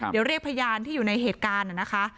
เดี๋ยวเรียกพยานที่อยู่ในเหตุการณ์นะคะ